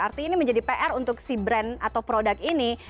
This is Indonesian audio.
artinya ini menjadi pr untuk si brand atau produk ini